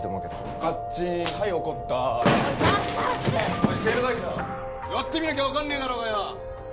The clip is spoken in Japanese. おい生徒会長やってみなきゃ分かんねえだろうがよ。